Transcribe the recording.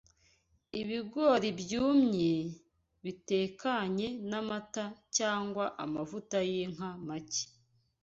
Ibigori byumye, bitekanye n’amata cyangwa amavuta y’inka make